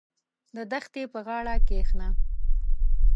• د دښتې په غاړه کښېنه.